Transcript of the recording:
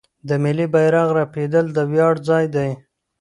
د ملي بیرغ رپیدل د ویاړ ځای دی.